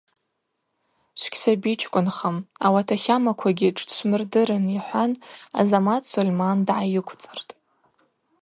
Швгьсабичкӏвынхым, ауат ахамаквагьи тшдшвмырдырын, – йхӏван Азамат Сольман дгӏайыквцӏыртӏ.